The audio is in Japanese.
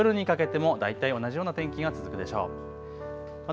夜にかけても大体同じような天気が続くでしょう。